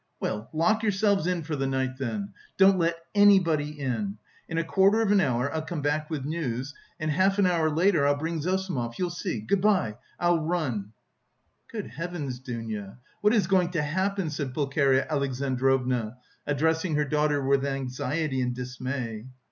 Well, lock yourselves in for the night, then. Don't let anybody in. In a quarter of an hour I'll come back with news, and half an hour later I'll bring Zossimov, you'll see! Good bye, I'll run." "Good heavens, Dounia, what is going to happen?" said Pulcheria Alexandrovna, addressing her daughter with anxiety and dismay.